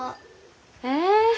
え？